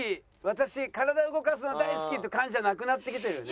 私体動かすの大好き！」っていう感じじゃなくなってきてるよね。